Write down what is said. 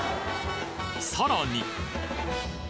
さらに！